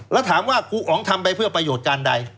แล้วถามว่าครูอ๋องทำไปเพื่อประโยชน์การใด